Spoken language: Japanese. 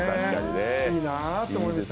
いいなぁと思いました。